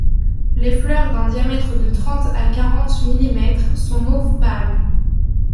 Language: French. Les fleurs d'un diamètre de trente à quarante millimètres, sont mauve pâle.